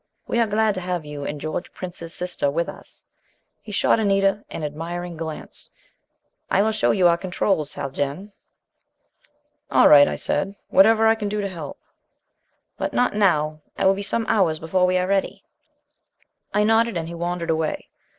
"We are glad to have you and George Prince's sister with us." He shot Anita an admiring glance. "I will show you our controls, Haljan." "All right," I said. "Whatever I can do to help...." "But not now. It will be some hours before we are ready." I nodded, and he wandered away.